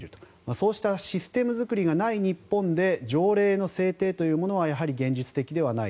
そうしたシステム作りがない日本で条例の制定というものはやはり現実的ではない。